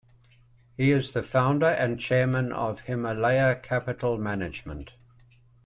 He is the founder and Chairman of Himalaya Capital Management.